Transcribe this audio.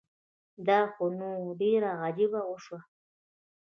دا خو نو ډيره عجیبه وشوه